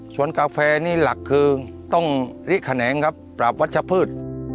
ส่วนกาแฟนี่หลักคือต้องริแขนงครับปราบวัชพืช